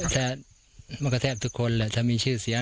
แทบมันก็แทบทุกคนแหละถ้ามีชื่อเสียง